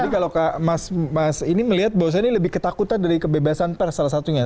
jadi kalau mas ini melihat bahwa saya ini lebih ketakutan dari kebebasan pers salah satunya